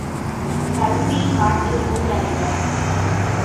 கல்வி, காட்டு முள் அல்ல.